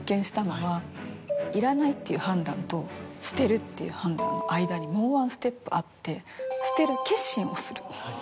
いらないっていう判断と捨てるっていう判断の間にもうワンステップあって捨てる決心をする。